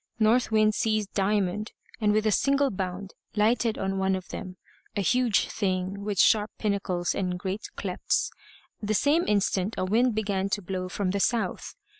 North Wind seized Diamond, and with a single bound lighted on one of them a huge thing, with sharp pinnacles and great clefts. The same instant a wind began to blow from the south.